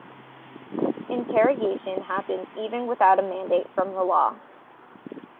Integration happens even without a mandate from the law.